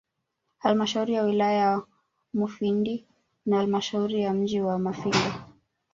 Halmashauri ya wilaya ya Mufindi na Halmashauri ya mji wa Mafinga